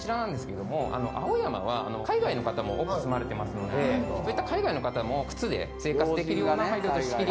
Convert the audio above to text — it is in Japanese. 青山は海外の方も多く住まれてますので、そういった海外の方も靴で生活できるような配慮と仕切り。